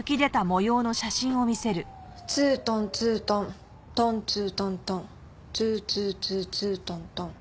ツートンツートントンツートントンツーツーツーツートントン。